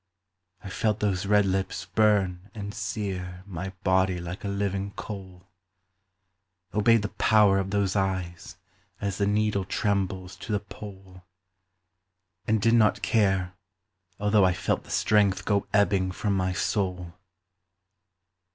I felt those red lips burn and sear My body like a living coal; Obeyed the power of those eyes As the needle trembles to the pole; And did not care although I felt The strength go ebbing from my soul.